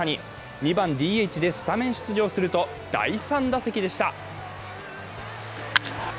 ２番、ＤＨでスタメン出場すると第３打席でした。